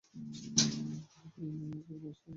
হরিপুর ইউনিয়নের পূর্বে Rajshahi city corporation অবস্থিত।